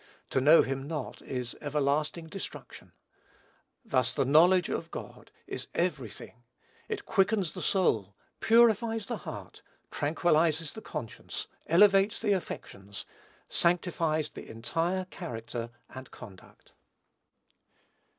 To know him not is "everlasting destruction." Thus the knowledge of God is every thing. It quickens the soul, purifies the heart, tranquillizes the conscience, elevates the affections, sanctifies the entire character and conduct.